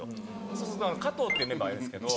そうすると加藤っていうメンバーがいるんですけど。